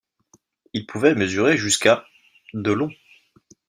Il pouvait mesurer jusqu'à de long.